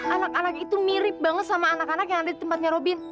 anak anak itu mirip banget sama anak anak yang ada di tempatnya robin